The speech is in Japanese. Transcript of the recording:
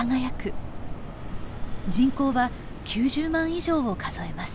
人口は９０万以上を数えます。